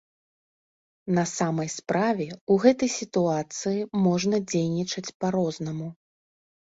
На самай справе, у гэтай сітуацыі можна дзейнічаць па-рознаму.